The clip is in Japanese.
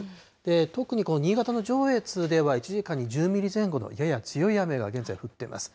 特に新潟の上越では、１時間に１０ミリ前後のやや強い雨が現在、降ってます。